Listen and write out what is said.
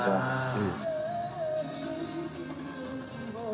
うん。